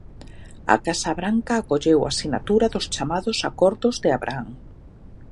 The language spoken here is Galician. A Casa Branca acolleu a sinatura dos chamados acordos de Abraham.